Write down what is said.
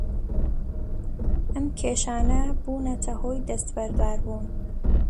ئەم کێشانە بوونەتە هۆی دەستبەرداربوون